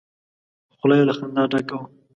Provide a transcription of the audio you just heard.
خوله يې له خندا ډکه وه!